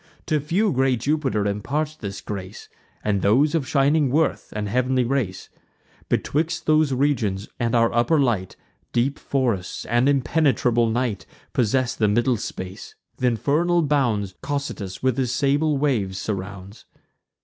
To few great Jupiter imparts this grace, And those of shining worth and heav'nly race. Betwixt those regions and our upper light, Deep forests and impenetrable night Possess the middle space: th' infernal bounds Cocytus, with his sable waves, surrounds.